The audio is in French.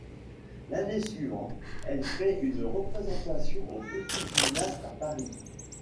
L'année suivante, elle fait une représentation au Petit Gymnase à Paris.